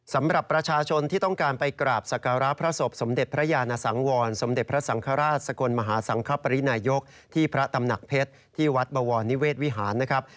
สำหรับประชาชนที่ต้องการไปกราบสักการะพระศพสมเด็จพระยานสังวรสมเด็จพระสังฆราชสกลมหาสังคปรินายกที่พระตำหนักเพชรที่วัดบวรนิเวศวิหารนะครับ